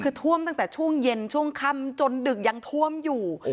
คือท่วมตั้งแต่ช่วงเย็นช่วงค่ำจนดึกยังท่วมอยู่